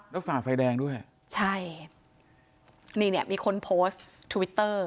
แล้วฝ่าไฟแดงด้วยใช่นี่เนี่ยมีคนโพสต์ทวิตเตอร์